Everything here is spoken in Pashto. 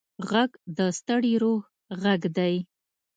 غږ د ستړي روح غږ دی